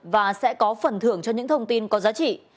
và sẽ có phần thưởng cho những thông tin có giá trị